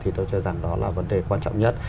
thì tôi cho rằng đó là vấn đề quan trọng nhất